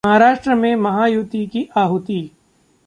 महाराष्ट्र में महायुति की आहुति